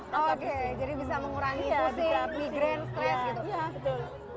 jadi bisa mengurangi pusing migren stres